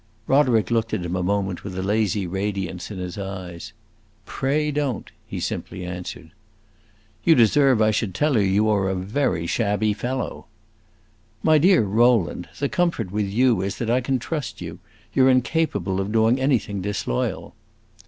Roderick looked at him a moment with a lazy radiance in his eyes. "Pray don't!" he simply answered. "You deserve I should tell her you are a very shabby fellow." "My dear Rowland, the comfort with you is that I can trust you. You 're incapable of doing anything disloyal."